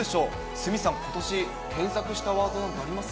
鷲見さん、ことし、検索したワードなんてあります？